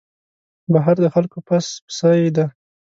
بهر د خلکو پس پسي دی.